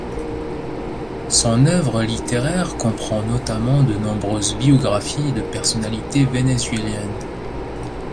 Son œuvre littéraire comprend notamment de nombreuses biographies de personnalités vénézuéliennes.